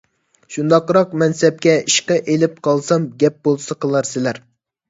شۇنداقراق مەنسەپكە ئىشقا ئېلىپ قالسام گەپ بولسا قىلارسىلەر.